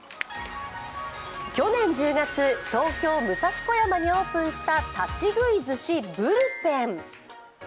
去年１０月、東京・武蔵小山にオープンした立ち食い寿司ブルペン。